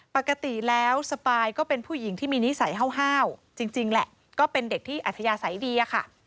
ปกติแล้วสปายก็เป็นผู้หญิงที่มีนิสัยห้าวจริงแหละก็เป็นเด็กที่อัธยาศัยดีอะค่ะ